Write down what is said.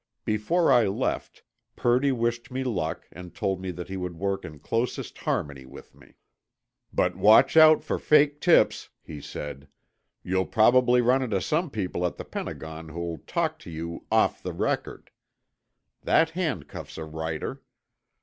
Before I left, Purdy wished me hick and told me that he would work in closest harmony with me. "But watch out for fake tips," he said. "You'll probably run into some people at the Pentagon who'll talk to you 'off the record.' That handcuffs a writer.